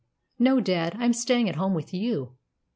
"No, dad; I'm staying at home with you."